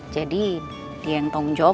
jadi dia yang tanggung jawab